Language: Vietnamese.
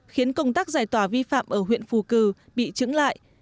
khiến công tác giải tỏa vi phạm ở huyện phù cử bị trứng lại